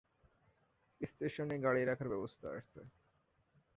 স্টেশনে গাড়ি রাখার ব্যবস্থা আছে।